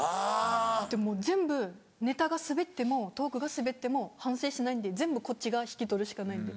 でもう全部ネタがスベってもトークがスベっても反省しないんで全部こっちが引き取るしかないんで。